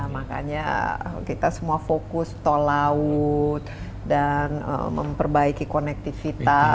makanya kita semua fokus tol laut dan memperbaiki konektivitas